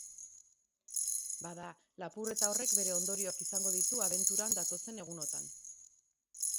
Bada, lapurreta horrek bere ondorioak izango ditu abenturan datozen egunotan.